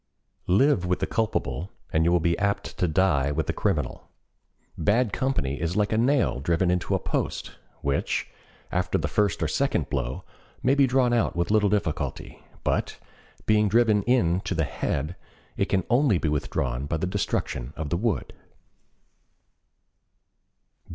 Live with the culpable and you will be apt to die with the criminal. Bad company is like a nail driven into a post, which, after the first or second blow, may be drawn out with little difficulty, but, being driven in to the head, it can only be withdrawn by the destruction of the wood.